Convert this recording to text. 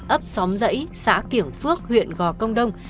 ấp xóm dãy xã kiểng phước huyện gò công đông